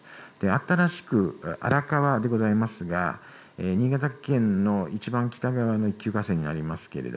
新しく、荒川でございますが新潟県の１番北側の一級河川です。